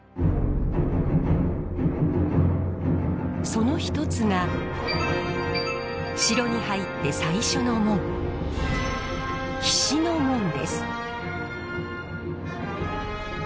その一つが城に入って最初の門菱の門です。